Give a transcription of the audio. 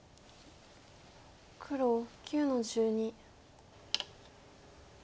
黒９の十二。